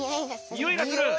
においがする！